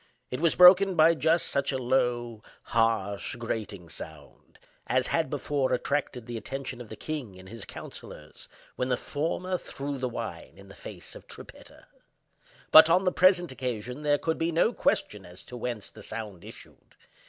It was broken by just such a low, harsh, grating sound, as had before attracted the attention of the king and his councillors when the former threw the wine in the face of Trippetta. But, on the present occasion, there could be no question as to whence the sound issued.